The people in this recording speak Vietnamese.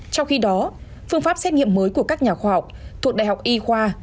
trong khi đó phương pháp xét nghiệm mới của các nhà khoa học thuộc đại học y khoa